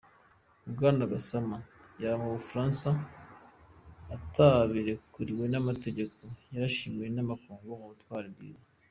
Bwana Gassama yaba mu Bufaransa atabirekuriwe n'amategeko, yarashimiwe n'amakungu ku butwari bwiwe.